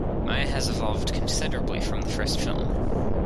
Maya has evolved considerably from the first film.